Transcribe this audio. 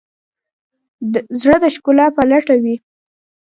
زړه د ښکلا په لټه وي.